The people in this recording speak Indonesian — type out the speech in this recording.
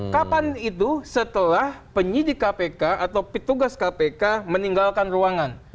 kapan itu setelah penyidik kpk atau petugas kpk meninggalkan ruangan